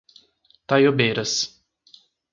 Taiobeiras